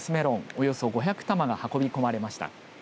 およそ５００玉が運び込まれました。